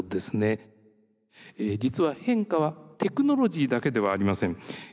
実は変化はテクノロジーだけではありません。